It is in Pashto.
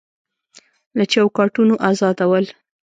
له چوکاټونو ازادول